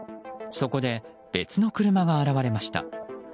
そこで、別の車が現れました。